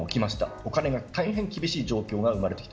お金が大変厳しい状況が生まれました。